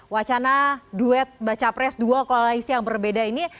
wacana duet baca pres dua koalisi yang berbeda ini